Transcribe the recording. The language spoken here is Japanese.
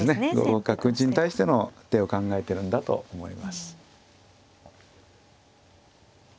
５五角打に対しての手を考えてるんだと思います。